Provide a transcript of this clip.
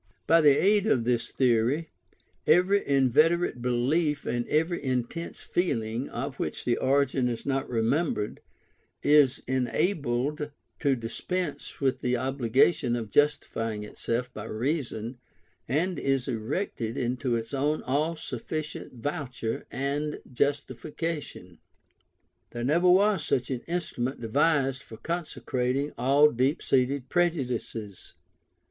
By the aid of this theory, every inveterate belief and every intense feeling, of which the origin is not remembered, is enabled to dispense with the obligation of justifying itself by reason, and is erected into its own all sufficient voucher and justification. There never was such an instrument devised for consecrating all deep seated prejudices.